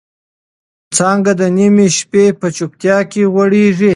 څانګه د نيمې شپې په چوپتیا کې غوړېږي.